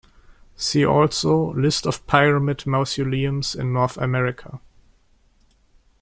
See also List of pyramid mausoleums in North America.